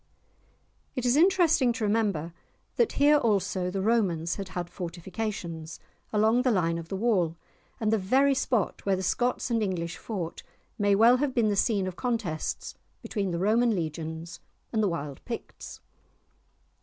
It is interesting to remember that here also the Romans had had fortifications, along the line of the wall, and the very spot where the Scots and English fought may well have been the scene of contests between the Roman Legions and the wild Picts.